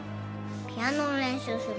ピアノの練習する。